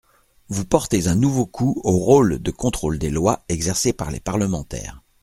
Vous portez un nouveau coup au rôle de contrôle des lois exercé par les parlementaires.